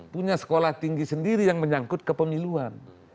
punya sekolah tinggi sendiri yang menyangkut kepemiluan